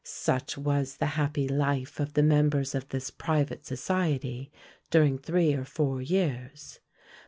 Such was the happy life of the members of this private society during three or four years.